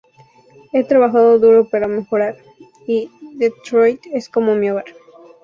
He trabajado duro para mejorar, y Detroit es como mi hogar."".